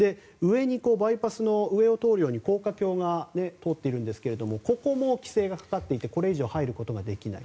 バイパスの上を通るように高架橋が通っているんですがここも規制がかかっていてこれ以上、入ることができない。